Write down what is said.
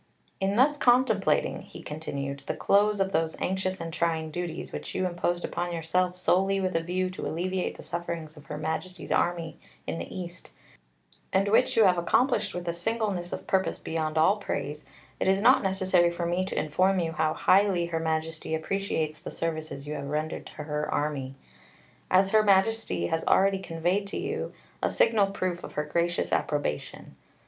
"In thus contemplating," he continued, "the close of those anxious and trying duties, which you imposed upon yourself solely with a view to alleviate the sufferings of Her Majesty's Army in the East, and which you have accomplished with a singleness of purpose beyond all praise, it is not necessary for me to inform you how highly Her Majesty appreciates the services you have rendered to Her Army; as Her Majesty has already conveyed to you a signal proof of Her gracious approbation.